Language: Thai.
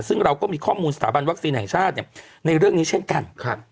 ซึ่งเราก็มีข้อมูลสถาบันวัคซีนแห่งชาติในเรื่องนี้เช่นกัน